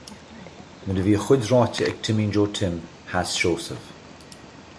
Nuair a bhí a chuid ráite ag Timín Joe Tim, sheas Seosamh.